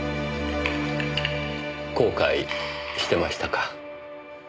後悔してましたか。